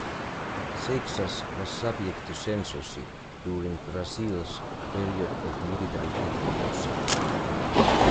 Seixas was subject to censorship during Brazil's period of military dictatorship.